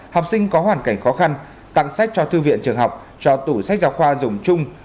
học sinh có hoàn cảnh khó khăn tặng sách cho thư viện trường học cho tủ sách giáo khoa dùng chung